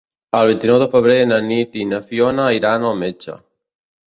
El vint-i-nou de febrer na Nit i na Fiona iran al metge.